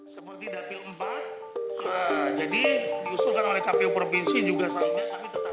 seperti dapil empat jadi diusulkan oleh kpu provinsi juga selanjutnya